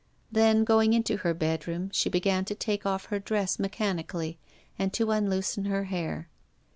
Then, going into her bedroom, she began to take off her dress mechanically and to unloosen her hair.